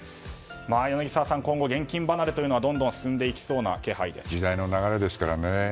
柳澤さん、今後現金離れがどんどん進んでいきそうな時代の流れですからね。